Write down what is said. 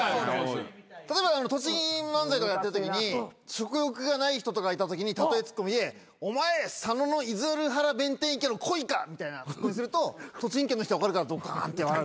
例えば栃木漫才とかやってるときに食欲がない人とかいたときに例えツッコミでお前佐野の出流原弁天池のコイかみたいなすると栃木県の人分かるからドカーンって笑う。